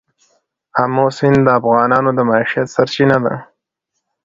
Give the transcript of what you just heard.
آمو سیند د افغانانو د معیشت سرچینه ده.